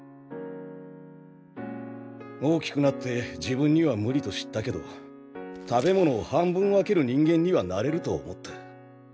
大きくなって自分には無理と知ったけど食べ物を半分分ける人間にはなれると思った。